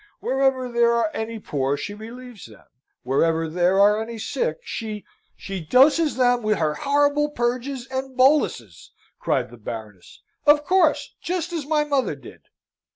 Wherever there are any poor she relieves them; wherever there are any sick she " "She doses them with her horrible purges and boluses!" cried the Baroness. "Of course, just as my mother did!"